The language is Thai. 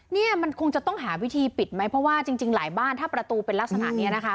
เนี่ยมันคงจะต้องหาวิธีปิดไหมเพราะว่าจริงหลายบ้านถ้าประตูเป็นลักษณะนี้นะคะ